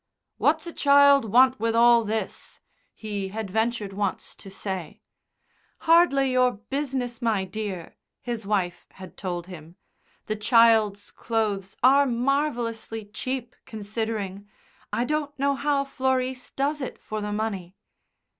"What's a child want with all this?" he had ventured once to say. "Hardly your business, my dear," his wife had told him. "The child's clothes are marvellously cheap considering. I don't know how Florice does it for the money."